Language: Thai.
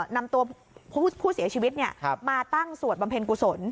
นำตัวผู้เสียชีวิตมาตั้งสวดบำเพ็ญกุศล